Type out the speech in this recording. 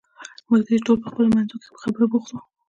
ملګري ټول په خپلو منځو کې په خبرو بوخت وو.